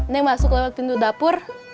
ini masuk lewat pintu dapur